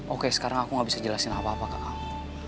oke sekarang aku gak bisa jelasin apa apa ke kamu